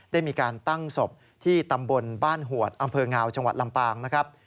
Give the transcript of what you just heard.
ได้มีการตั้งศพที่ตำบลบ้านหวดอำเภองาวจังหวัดลำปางนะครับ